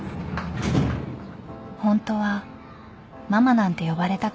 ［ホントはママなんて呼ばれたくありません］